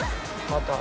また。